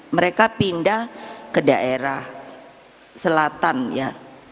mereka pindah ke daerah selatan ya